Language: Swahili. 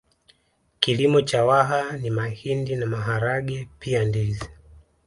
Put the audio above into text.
Kilimo cha Waha ni mahindi na maharage pia ndizi